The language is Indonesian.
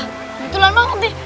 kebetulan banget deh